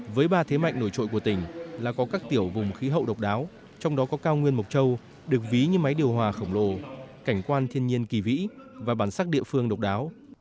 với ba thế mạnh nổi trội của tỉnh là có các tiểu vùng khí hậu độc đáo trong đó có cao nguyên mộc châu được ví như máy điều hòa khổng lồ cảnh quan thiên nhiên kỳ vĩ và bản sắc địa phương độc đáo